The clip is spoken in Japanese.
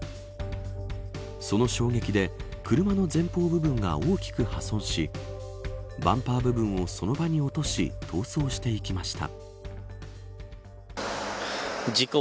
その衝撃で車の前方部分が大きく破損しバンパー部分をその場に落とし逃走していきました。